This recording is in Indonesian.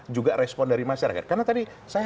juga respon dari masyarakat karena tadi saya